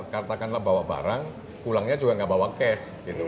katakanlah bawa barang pulangnya juga tidak bawa cash gitu